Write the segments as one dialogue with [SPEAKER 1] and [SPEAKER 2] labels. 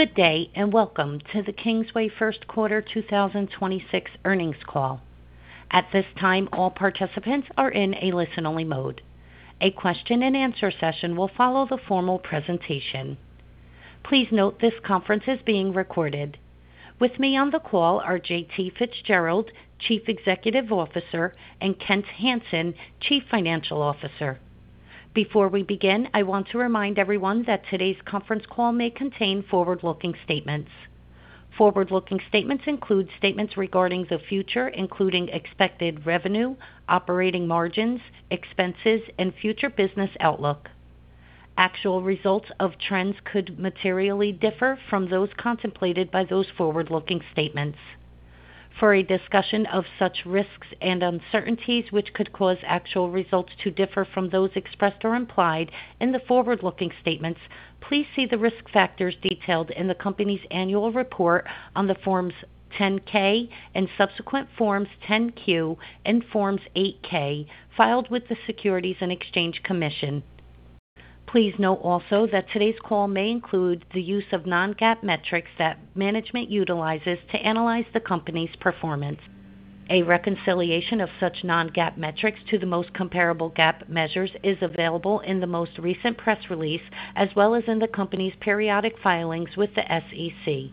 [SPEAKER 1] Good day, and welcome to the Kingsway first quarter 2026 earnings call. At this time, all participants are in a listen-only mode. A question-and-answer session will follow the formal presentation. Please note this conference is being recorded. With me on the call are J.T. Fitzgerald, Chief Executive Officer, and Kent Hansen, Chief Financial Officer. Before we begin, I want to remind everyone that today's conference call may contain forward-looking statements. Forward-looking statements include statements regarding the future, including expected revenue, operating margins, expenses, and future business outlook. Actual results of trends could materially differ from those contemplated by those forward-looking statements. For a discussion of such risks and uncertainties, which could cause actual results to differ from those expressed or implied in the forward-looking statements, please see the risk factors detailed in the company's annual report on the forms 10-K and subsequent forms 10-Q and forms 8-K filed with the Securities and Exchange Commission. Please note also that today's call may include the use of non-GAAP metrics that management utilizes to analyze the company's performance. A reconciliation of such non-GAAP metrics to the most comparable GAAP measures is available in the most recent press release, as well as in the company's periodic filings with the SEC.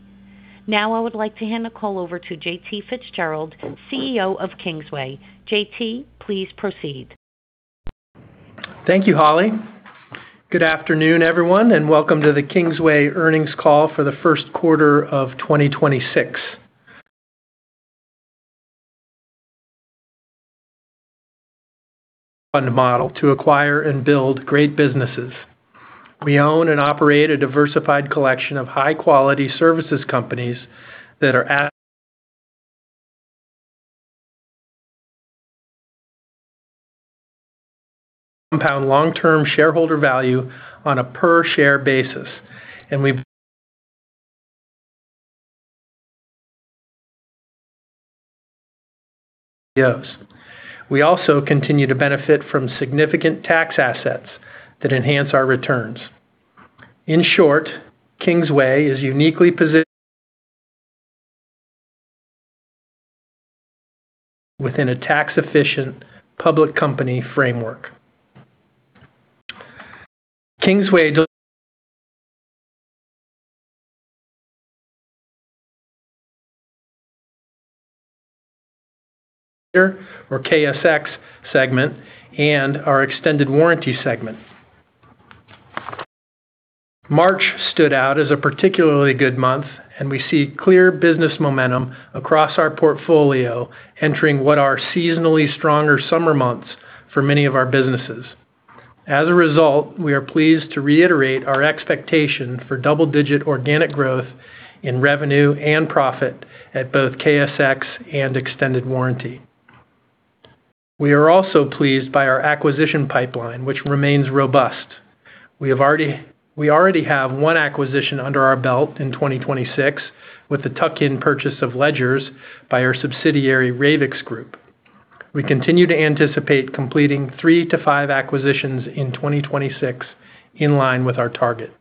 [SPEAKER 1] Now, I would like to hand the call over to J.T. Fitzgerald, CEO of Kingsway. J.T., please proceed.
[SPEAKER 2] Thank you, Holly. Good afternoon, everyone, welcome to the Kingsway earnings call for the first quarter of 2026. Fund model to acquire and build great businesses. We own and operate a diversified collection of high-quality services companies. Compound long-term shareholder value on a per share basis. We also continue to benefit from significant tax assets that enhance our returns. In short, Kingsway is uniquely positioned within a tax-efficient public company framework. KSX segment and our Extended Warranty Segment. March stood out as a particularly good month, we see clear business momentum across our portfolio entering what are seasonally stronger summer months for many of our businesses. As a result, we are pleased to reiterate our expectation for double-digit organic growth in revenue and profit at both KSX and Extended Warranty. We are also pleased by our acquisition pipeline, which remains robust. We already have one acquisition under our belt in 2026 with the tuck-in purchase of Ledgers by our subsidiary, Ravix Group. We continue to anticipate completing 3 to 5 acquisitions in 2026 in line with our target.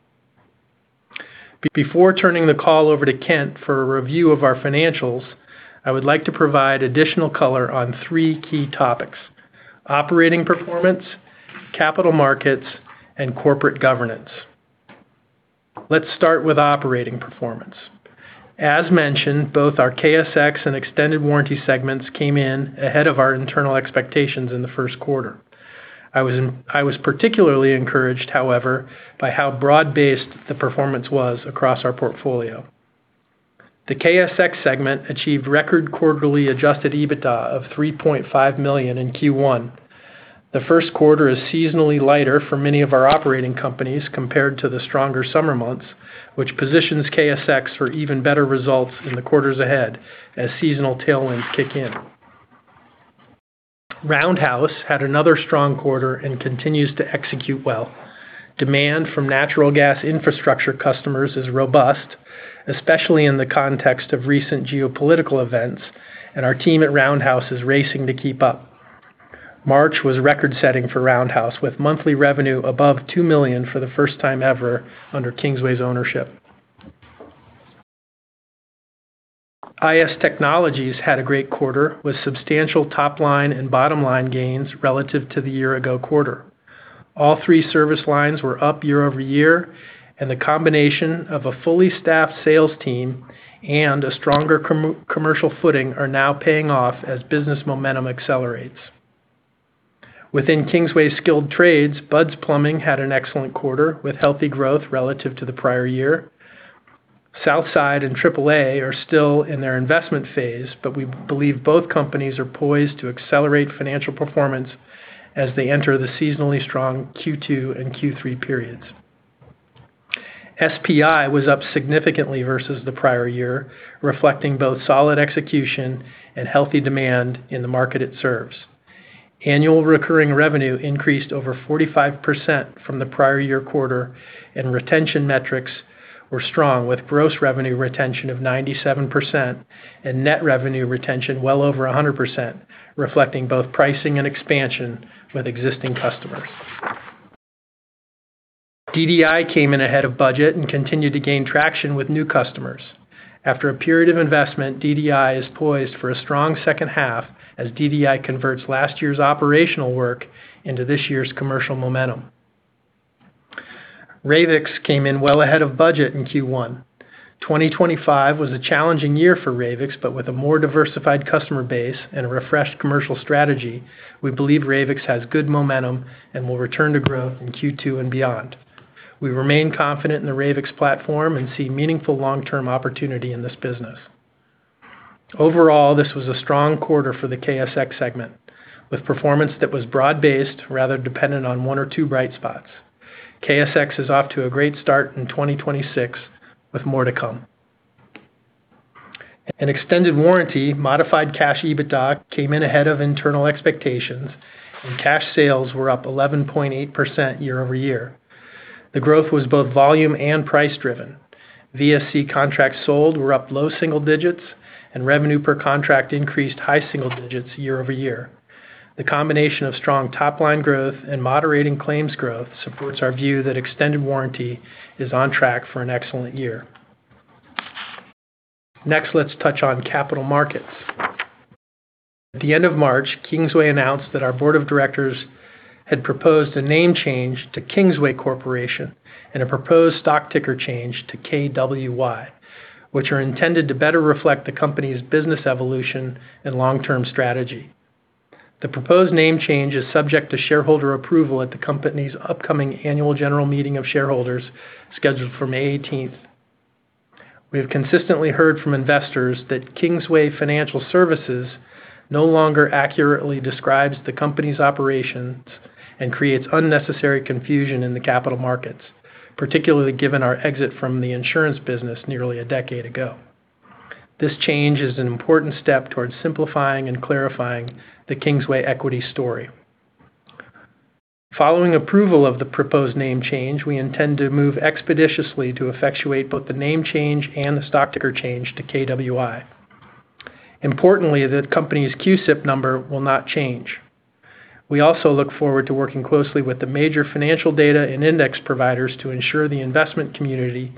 [SPEAKER 2] Before turning the call over to Kent for a review of our financials, I would like to provide additional color on three key topics: operating performance, capital markets, and corporate governance. Let's start with operating performance. As mentioned, both our KSX and Extended Warranty segments came in ahead of our internal expectations in the first quarter. I was particularly encouraged, however, by how broad-based the performance was across our portfolio. The KSX segment achieved record quarterly adjusted EBITDA of $3.5 million in Q1. The first quarter is seasonally lighter for many of our operating companies compared to the stronger summer months, which positions KSX for even better results in the quarters ahead as seasonal tailwinds kick in. Roundhouse had another strong quarter and continues to execute well. Demand from natural gas infrastructure customers is robust, especially in the context of recent geopolitical events, and our team at Roundhouse is racing to keep up. March was record-setting for Roundhouse, with monthly revenue above $2 million for the first time ever under Kingsway's ownership. IS Techonology had a great quarter with substantial top-line and bottom-line gains relative to the year-ago quarter. All three service lines were up year-over-year, and the combination of a fully staffed sales team and a stronger commercial footing are now paying off as business momentum accelerates. Within Kingsway Skilled Trades, Bud's Plumbing had an excellent quarter with healthy growth relative to the prior year. Southside and Triple A are still in their investment phase, but we believe both companies are poised to accelerate financial performance as they enter the seasonally strong Q2 and Q3 periods. SPI was up significantly versus the prior year, reflecting both solid execution and healthy demand in the market it serves. Annual recurring revenue increased over 45% from the prior year quarter, and retention metrics were strong with gross revenue retention of 97% and net revenue retention well over 100%, reflecting both pricing and expansion with existing customers. DDI came in ahead of budget and continued to gain traction with new customers. After a period of investment, DDI is poised for a strong second half as DDI converts last year's operational work into this year's commercial momentum. Ravix Group came in well ahead of budget in Q1. 2025 was a challenging year for Ravix Group, but with a more diversified customer base and a refreshed commercial strategy, we believe Ravix Group has good momentum and will return to growth in Q2 and beyond. We remain confident in the Ravix Group platform and see meaningful long-term opportunity in this business. Overall, this was a strong quarter for the KSX segment, with performance that was broad-based rather dependent on one or two bright spots. KSX is off to a great start in 2026 with more to come. An extended warranty modified cash EBITDA came in ahead of internal expectations, and cash sales were up 11.8% year-over-year. The growth was both volume and price-driven. VSC contracts sold were up low single digits, and revenue per contract increased high single digits year-over-year. The combination of strong top-line growth and moderating claims growth supports our view that extended warranty is on track for an excellent year. Next, let's touch on capital markets. At the end of March, Kingsway announced that our board of directors had proposed a name change to Kingsway Corporation and a proposed stock ticker change to KWY, which are intended to better reflect the company's business evolution and long-term strategy. The proposed name change is subject to shareholder approval at the company's upcoming annual general meeting of shareholders scheduled for May 18th. We have consistently heard from investors that Kingsway Financial Services no longer accurately describes the company's operations and creates unnecessary confusion in the capital markets, particularly given our exit from the insurance business nearly a decade ago. This change is an important step towards simplifying and clarifying the Kingsway equity story. Following approval of the proposed name change, we intend to move expeditiously to effectuate both the name change and the stock ticker change to KWY. Importantly, the company's CUSIP number will not change. We also look forward to working closely with the major financial data and index providers to ensure the investment community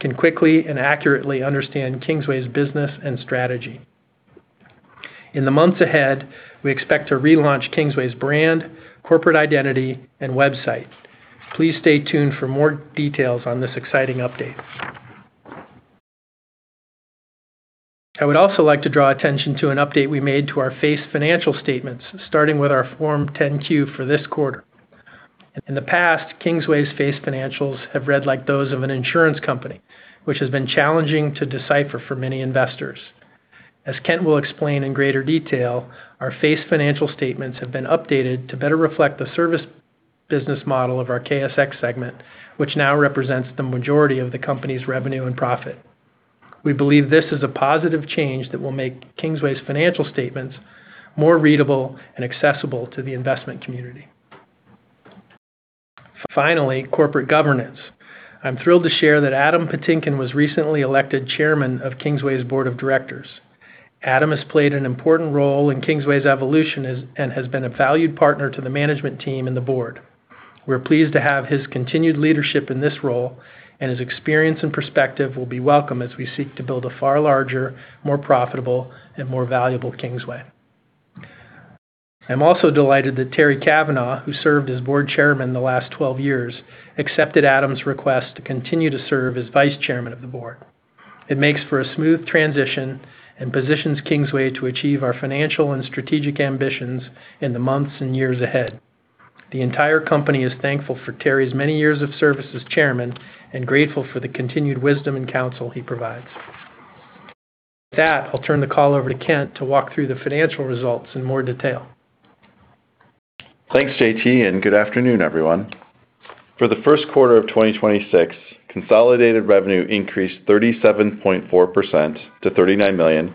[SPEAKER 2] can quickly and accurately understand Kingsway's business and strategy. In the months ahead, we expect to relaunch Kingsway's brand, corporate identity, and website. Please stay tuned for more details on this exciting update. I would also like to draw attention to an update we made to our face financial statements, starting with our Form 10-Q for this quarter. In the past, Kingsway's face financials have read like those of an insurance company, which has been challenging to decipher for many investors. As Kent will explain in greater detail, our face financial statements have been updated to better reflect the service business model of our KSX segment, which now represents the majority of the company's revenue and profit. We believe this is a positive change that will make Kingsway's financial statements more readable and accessible to the investment community. Finally, corporate governance. I'm thrilled to share that Adam Patinkin was recently elected chairman of Kingsway's board of directors. Adam has played an important role in Kingsway's evolution and has been a valued partner to the management team and the board. We're pleased to have his continued leadership in this role, and his experience and perspective will be welcome as we seek to build a far larger, more profitable, and more valuable Kingsway. I'm also delighted that Terry Kavanagh, who served as board chairman the last 12 years, accepted Adam's request to continue to serve as vice chairman of the board. It makes for a smooth transition and positions Kingsway to achieve our financial and strategic ambitions in the months and years ahead. The entire company is thankful for Terry's many years of service as chairman and grateful for the continued wisdom and counsel he provides. With that, I'll turn the call over to Kent to walk through the financial results in more detail.
[SPEAKER 3] Thanks, J.T., and good afternoon, everyone. For the first quarter of 2026, consolidated revenue increased 37.4% to $39 million,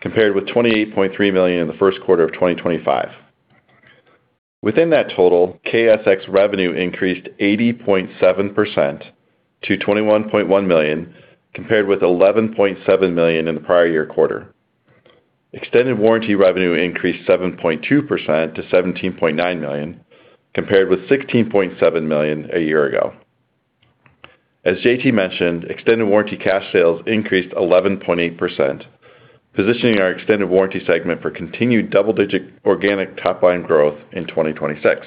[SPEAKER 3] compared with $28.3 million in the first quarter of 2025. Within that total, KSX revenue increased 80.7% to $21.1 million, compared with $11.7 million in the prior year quarter. Extended warranty revenue increased 7.2% to $17.9 million, compared with $16.7 million a year ago. As J.T. mentioned, extended warranty cash sales increased 11.8%, positioning our extended warranty segment for continued double-digit organic top-line growth in 2026.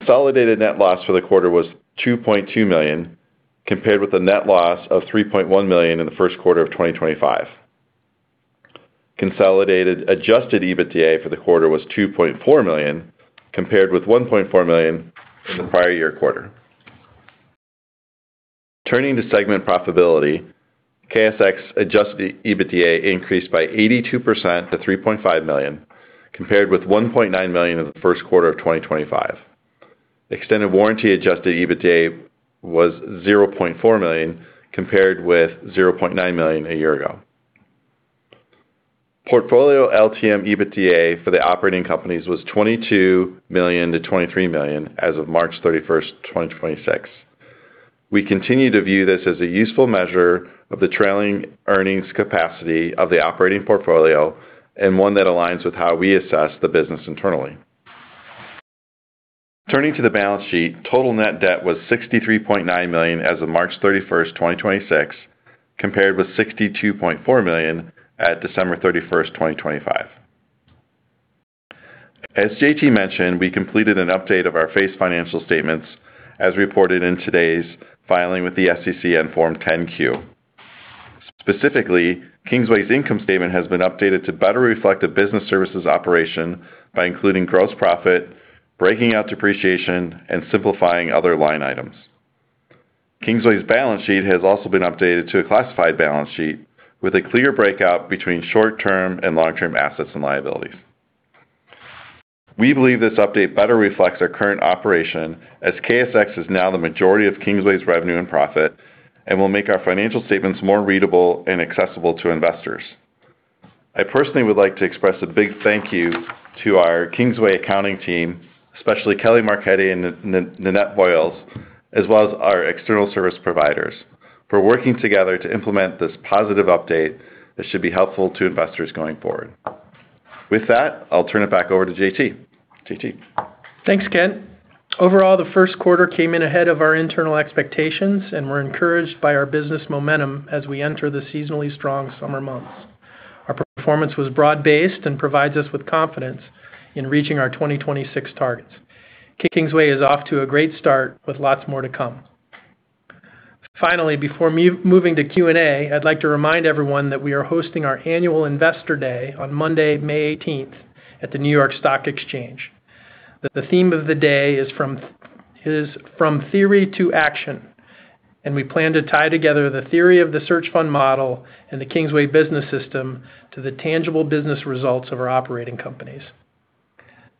[SPEAKER 3] Consolidated net loss for the quarter was $2.2 million, compared with a net loss of $3.1 million in the first quarter of 2025. Consolidated adjusted EBITDA for the quarter was $2.4 million, compared with $1.4 million in the prior year quarter. Turning to segment profitability, KSX adjusted EBITDA increased by 82% to $3.5 million, compared with $1.9 million in the first quarter of 2025. Extended warranty adjusted EBITDA was $0.4 million, compared with $0.9 million a year ago. Portfolio LTM EBITDA for the operating companies was $22 million-$23 million as of March 31, 2026. We continue to view this as a useful measure of the trailing earnings capacity of the operating portfolio and one that aligns with how we assess the business internally. Turning to the balance sheet, total net debt was $63.9 million as of March 31, 2026, compared with $62.4 million at December 31, 2025. As J.T. mentioned, we completed an update of our face financial statements as reported in today's filing with the SEC and Form 10-Q. Specifically, Kingsway's income statement has been updated to better reflect a business services operation by including gross profit, breaking out depreciation, and simplifying other line items. Kingsway's balance sheet has also been updated to a classified balance sheet with a clear breakout between short-term and long-term assets and liabilities. We believe this update better reflects our current operation as KSX is now the majority of Kingsway's revenue and profit and will make our financial statements more readable and accessible to investors. I personally would like to express a big thank you to our Kingsway accounting team, especially Kelly Marchetti and Nancy Voyles, as well as our external service providers, for working together to implement this positive update that should be helpful to investors going forward. With that, I'll turn it back over to J.T., J.T.
[SPEAKER 2] Thanks, Kent. Overall, the first quarter came in ahead of our internal expectations, and we're encouraged by our business momentum as we enter the seasonally strong summer months. Our performance was broad-based and provides us with confidence in reaching our 2026 targets. Kingsway is off to a great start with lots more to come. Finally, before moving to Q&A, I'd like to remind everyone that we are hosting our annual Investor Day on Monday, May 18th, at the New York Stock Exchange. The theme of the day is from theory to action, and we plan to tie together the theory of the search fund model and the Kingsway business system to the tangible business results of our operating companies.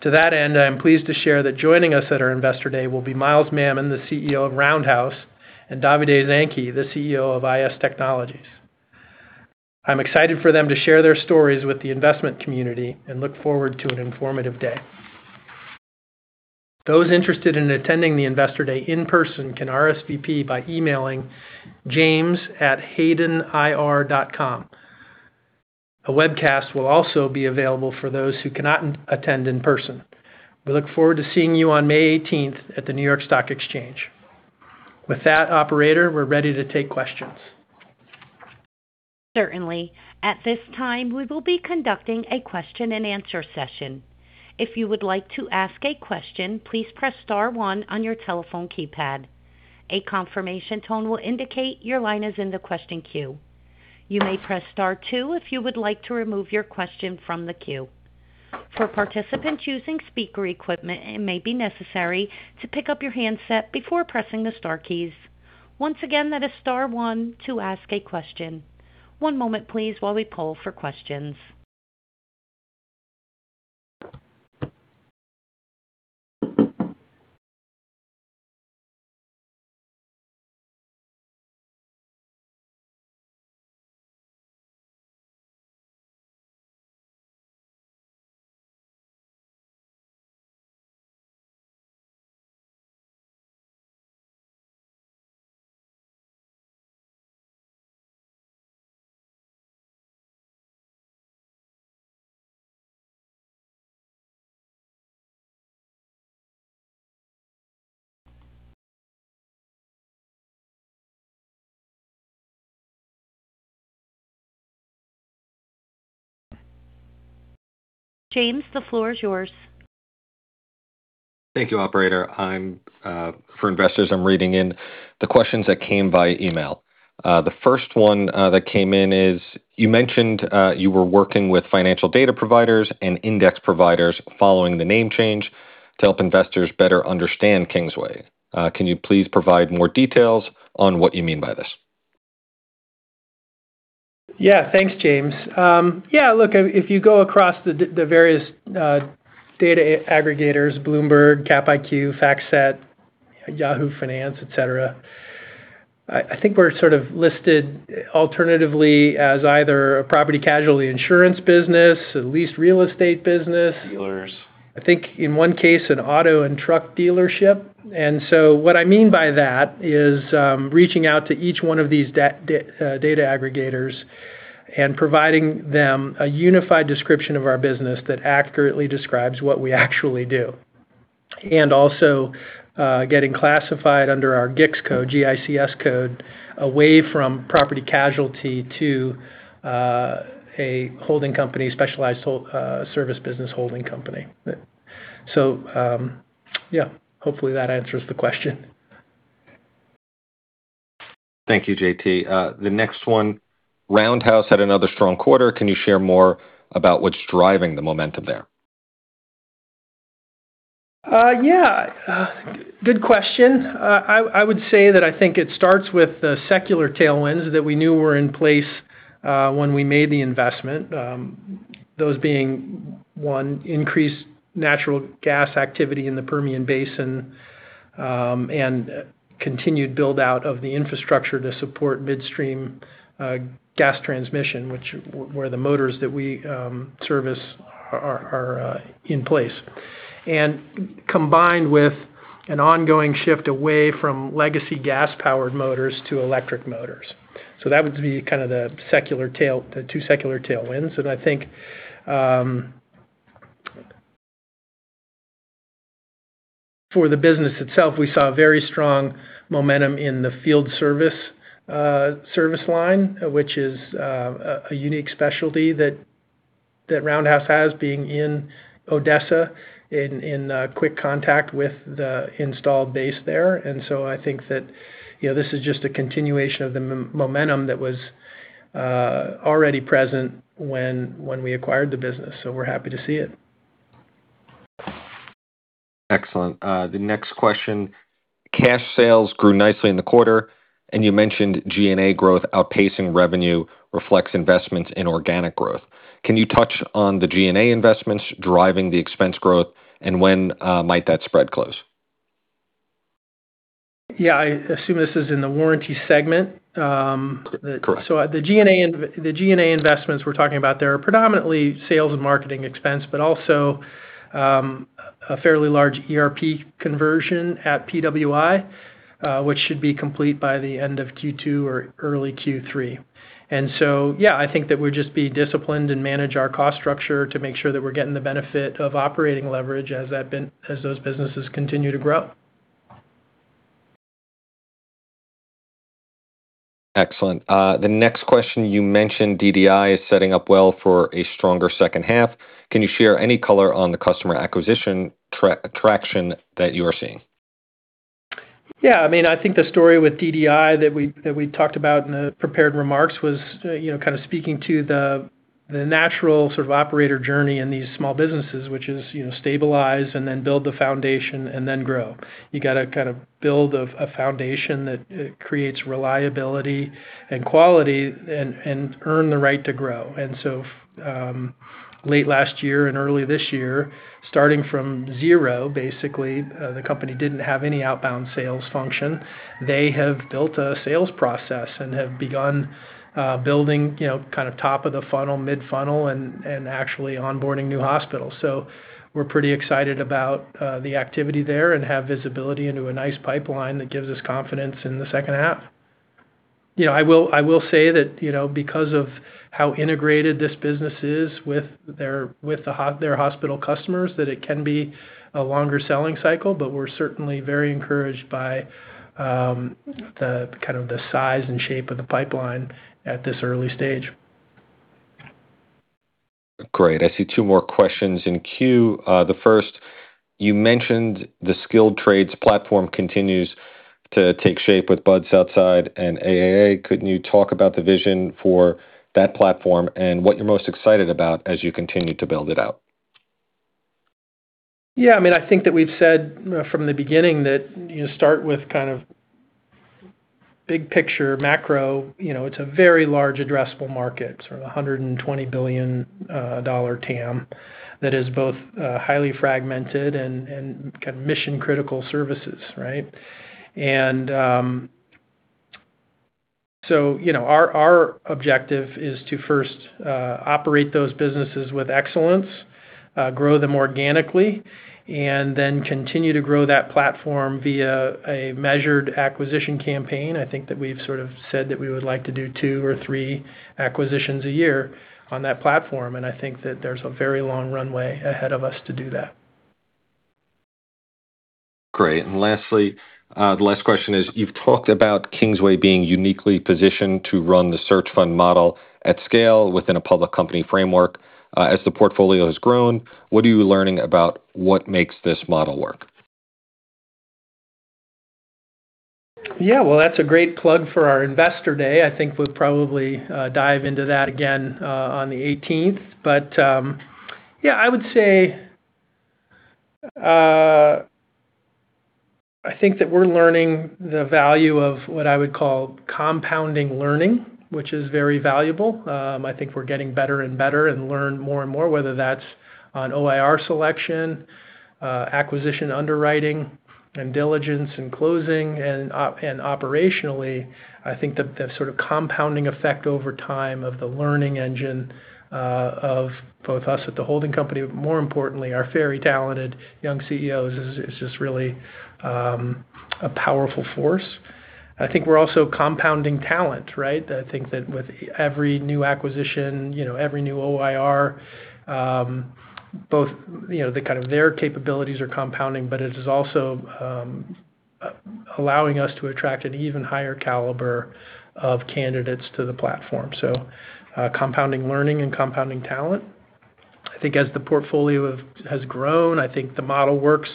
[SPEAKER 2] To that end, I am pleased to share that joining us at our Investor Day will be Miles Mamon, the CEO of Roundhouse, and Davide Zanchi, the CEO of Image Solutions LLC. I'm excited for them to share their stories with the investment community and look forward to an informative day. Those interested in attending the Investor Day in person can RSVP by emailing james@haydenir.com. A webcast will also be available for those who cannot attend in person. We look forward to seeing you on May 18th at the New York Stock Exchange. With that, operator, we're ready to take questions.
[SPEAKER 1] Certainly. At this time, we will be conducting a question-and-answer session. If you would like to ask a question, please press star one on your telephone keypad. A confirmation tone will indicate your line is in the question queue. You may press star two if you would like to remove your question from the queue. For participants using speaker equipment, it may be necessary to pick up your handset before pressing the star keys. Once again, that is star one to ask a question. One moment, please, while we poll for questions. James, the floor is yours.
[SPEAKER 4] Thank you, operator. I'm for investors, I'm reading in the questions that came via email. The first one that came in is, you mentioned you were working with financial data providers and index providers following the name change to help investors better understand Kingsway. Can you please provide more details on what you mean by this?
[SPEAKER 2] Thanks, James. Look, if you go across the various data aggregators, Bloomberg, CapIQ, FactSet, Yahoo Finance, et cetera, I think we're sort of listed alternatively as either a property casualty insurance business, a leased real estate business.
[SPEAKER 4] Dealers.
[SPEAKER 2] I think in one case, an auto and truck dealership. What I mean by that is, reaching out to each one of these data aggregators and providing them a unified description of our business that accurately describes what we actually do, and also, getting classified under our GICS code, G-I-C-S code, away from property casualty to a holding company, specialized service business holding company. Yeah, hopefully, that answers the question.
[SPEAKER 4] Thank you, J.T. The next one. Roundhouse had another strong quarter. Can you share more about what's driving the momentum there?
[SPEAKER 2] Good question. I would say that I think it starts with the secular tailwinds that we knew were in place when we made the investment. Those being one, increased natural gas activity in the Permian Basin, and continued build-out of the infrastructure to support midstream gas transmission, which were the motors that we service are in place. Combined with an ongoing shift away from legacy gas-powered motors to electric motors. That would be kind of the two secular tailwinds. I think, for the business itself, we saw very strong momentum in the field service service line, which is a unique specialty that Roundhouse has being in Odessa in quick contact with the installed base there. I think that, you know, this is just a continuation of the momentum that was already present when we acquired the business. We're happy to see it.
[SPEAKER 4] Excellent. The next question, cash sales grew nicely in the quarter. You mentioned G&A growth outpacing revenue reflects investments in organic growth. Can you touch on the G&A investments driving the expense growth, and when might that spread close?
[SPEAKER 2] Yeah, I assume this is in the warranty segment.
[SPEAKER 4] Correct.
[SPEAKER 2] The G&A investments we're talking about there are predominantly sales and marketing expense, but also, a fairly large ERP conversion at PWI, which should be complete by the end of Q2 or early Q3. Yeah, I think that we'll just be disciplined and manage our cost structure to make sure that we're getting the benefit of operating leverage as those businesses continue to grow.
[SPEAKER 4] Excellent. The next question, you mentioned DDI is setting up well for a stronger second half. Can you share any color on the customer acquisition traction that you are seeing?
[SPEAKER 2] I think the story with DDI that we talked about in the prepared remarks was kind of speaking to the natural sort of operator journey in these small businesses, which is stabilize and then build the foundation and then grow. You gotta kind of build a foundation that creates reliability and quality and earn the right to grow. Late last year and early this year, starting from zero, basically, the company didn't have any outbound sales function. They have built a sales process and have begun building kind of top of the funnel, mid-funnel, and actually onboarding new hospitals. We're pretty excited about the activity there and have visibility into a nice pipeline that gives us confidence in the second half. You know, I will say that, you know, because of how integrated this business is with their hospital customers, that it can be a longer selling cycle, but we're certainly very encouraged by the kind of size and shape of the pipeline at this early stage.
[SPEAKER 4] Great. I see two more questions in queue. The first, you mentioned the Skilled Trades platform continues to take shape with Bud's Plumbing and AAA. Could you talk about the vision for that platform and what you're most excited about as you continue to build it out?
[SPEAKER 2] Yeah, I mean, I think that we've said from the beginning that you start with kind of big picture macro. You know, it's a very large addressable market, sort of a $120 billion TAM that is both highly fragmented and kind of mission-critical services, right? You know, our objective is to first operate those businesses with excellence, grow them organically, and then continue to grow that platform via a measured acquisition campaign. I think that we've sort of said that we would like to do two or three acquisitions a year on that platform, and I think that there's a very long runway ahead of us to do that.
[SPEAKER 4] Great. Lastly, the last question is, you've talked about Kingsway being uniquely positioned to run the search fund model at scale within a public company framework. As the portfolio has grown, what are you learning about what makes this model work?
[SPEAKER 2] Yeah, well, that's a great plug for our investor day. I think we'll probably dive into that again on the 18th. Yeah, I would say I think that we're learning the value of what I would call compounding learning, which is very valuable. I think we're getting better and better and learn more and more, whether that's on OIR selection, acquisition underwriting and diligence and closing. Operationally, I think the sort of compounding effect over time of the learning engine of both us at the holding company, but more importantly, our very talented young CEOs is just really a powerful force. I think we're also compounding talent, right? I think that with every new acquisition, you know, every new OIR, both, you know, the kind of their capabilities are compounding, but it is also allowing us to attract an even higher caliber of candidates to the platform. Compounding learning and compounding talent. I think as the portfolio has grown, I think the model works.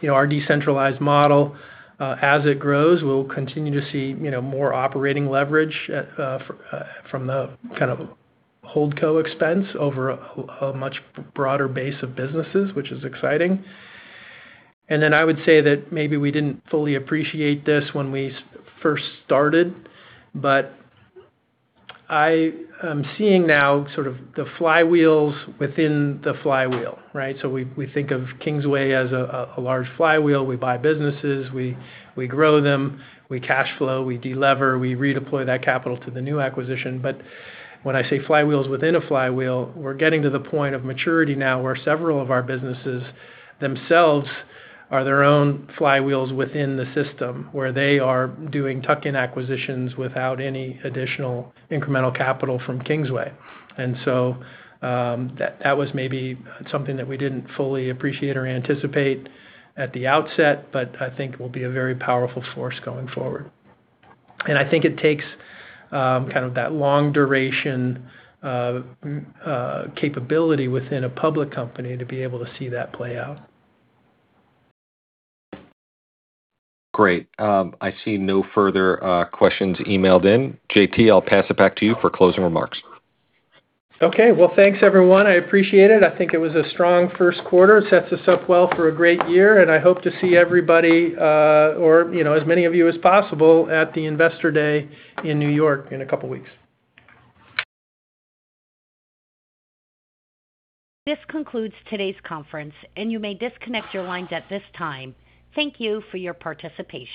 [SPEAKER 2] You know, our decentralized model, as it grows, we'll continue to see, you know, more operating leverage from the kind of hold co expense over a much broader base of businesses, which is exciting. I would say that maybe we didn't fully appreciate this when we first started, but I am seeing now sort of the flywheels within the flywheel, right? We think of Kingsway as a large flywheel. We buy businesses, we grow them, we cash flow, we delever, we redeploy that capital to the new acquisition. When I say flywheels within a flywheel, we're getting to the point of maturity now where several of our businesses themselves are their own flywheels within the system, where they are doing tuck-in acquisitions without any additional incremental capital from Kingsway. That was maybe something that we didn't fully appreciate or anticipate at the outset, but I think will be a very powerful force going forward. I think it takes kind of that long duration of capability within a public company to be able to see that play out.
[SPEAKER 4] Great. I see no further questions emailed in. J.T., I'll pass it back to you for closing remarks.
[SPEAKER 2] Okay. Well, thanks, everyone. I appreciate it. I think it was a strong first quarter. Sets us up well for a great year, and I hope to see everybody, or, you know, as many of you as possible at the investor day in New York in a couple of weeks.
[SPEAKER 1] This concludes today's conference, and you may disconnect your lines at this time. Thank you for your participation.